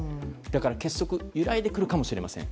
だから結束が揺らいでくるかもしれません。